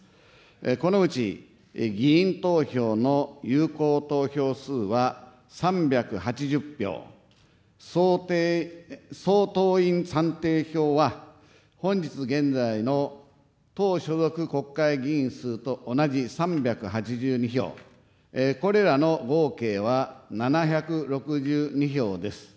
このうち、議員投票の有効投票数は３８０票、総党員算定票は、本日現在の党所属国会議員数と同じ３８２票、これらの合計は７６２票です。